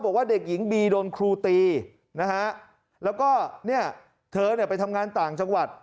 บอกว่าเด็กหญิงบีโดนครูตีนะฮะแล้วก็เนี่ยเธอเนี่ยไปทำงานต่างจังหวัด